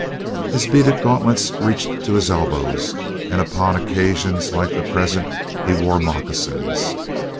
His beaded gauntlets reached to his elbow, and upon occasions like the present he wore moccasins.